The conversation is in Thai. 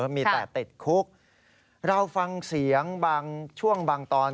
มีแต่ติดคุกเราฟังเสียงบางช่วงบางตอน